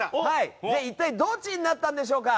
一体どっちになったんでしょうか。